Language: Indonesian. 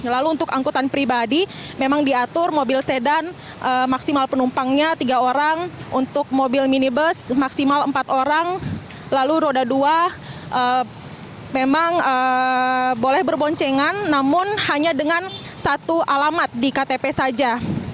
lalu untuk angkutan pribadi memang diatur mobil sedan maksimal penumpangnya tiga orang untuk mobil minibus maksimal empat orang lalu roda dua memang boleh berboncengan namun hanya dengan satu alamat di ktp saja